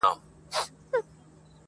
بېغمه غمه د هغې راته راوبهيدې,